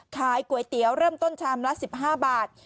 ขายก๋วยเตี๋ยวเริ่มต้นชามละ๑๕บาท